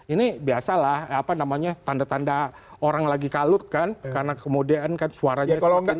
ini biasalah apa namanya tanda tanda orang lagi kalut kan karena kemudian kan suaranya semakin tinggi